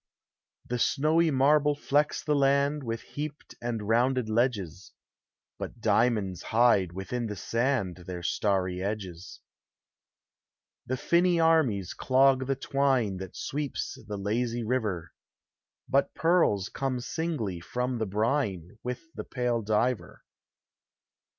The snowy marble flecks the land With heaped and rounded ledges, But diamonds hide within the sand Their starry edges. The tinny armies clog the twine That sweeps the lazy river, But pearls come singly from the brine With the pale diver.